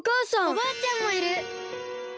おばあちゃんもいる！